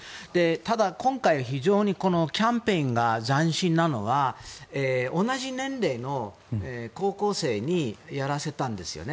ただ、今回このキャンペーンが斬新なのは同じ年齢の高校生にやらせたんですよね。